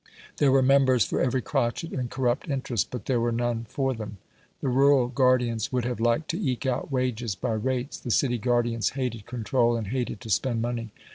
There were members for every crotchet and corrupt interest, but there were none for them. The rural guardians would have liked to eke out wages by rates; the city guardians hated control, and hated to spend money.